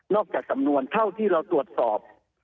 จากสำนวนเท่าที่เราตรวจสอบ